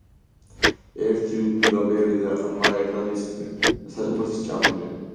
ერთი უკბილო ბერი და ყრმა ერთად ისხდენ და საჭმელს სჭამდნენ.